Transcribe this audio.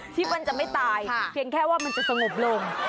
ที่มันจะไม่ตายเพียงแค่ว่ามันจะสงบลง